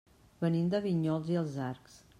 Venim de Vinyols i els Arcs.